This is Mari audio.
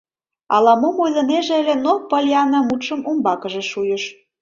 Ала-мом ойлынеже ыле, но Поллианна мутшым умбакыже шуйыш: